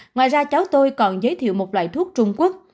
ngoài ra cháu tôi còn giới thiệu một loại thuốc trung quốc